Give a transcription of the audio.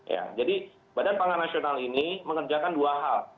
ya jadi badan pangan nasional ini mengerjakan dua hal